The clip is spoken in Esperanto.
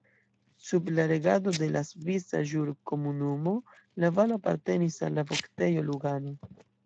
Sub la regado de la Svisa Ĵurkomunumo la valo apartenis al la Voktejo Lugano.